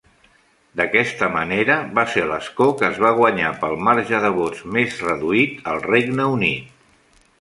D'aquest manera, va ser l'escó que es va guanyar pel marge de vots més reduït al Regne Unit.